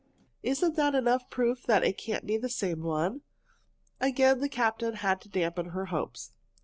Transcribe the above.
Isn't that enough proof that it can't be the same one?" Again the captain had to dampen her hopes.